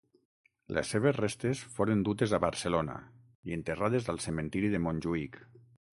Les seves restes foren dutes a Barcelona i enterrades al Cementiri de Montjuïc.